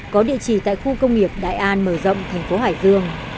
có địa chỉ tại khu công nghiệp đại an mở rộng thành phố hải dương